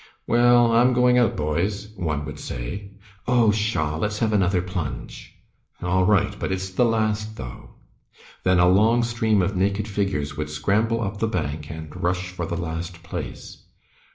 "Well, I'm going out, boys," one would say. "Oh, pshaw! let's have another plunge." "All right. But it's the last, though." Then a long stream of naked figures would scramble up the bank and rush for the last place.